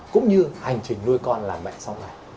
cũng như hành trình nuôi con là mẹ sau này